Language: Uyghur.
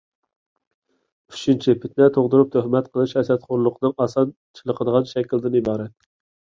ئۈچىنچى، پىتنە تۇغدۇرۇپ، تۆھمەت قىلىش ھەسەتخورلۇقنىڭ ئاسان چېلىقىدىغان شەكلىدىن ئىبارەت.